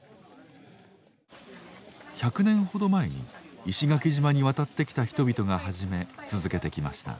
１００年ほど前に石垣島に渡ってきた人々が始め続けてきました。